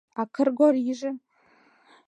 А Кргориже?